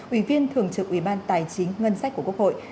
ủy viên thường trực ủy ban tài chính ngân sách của quốc hội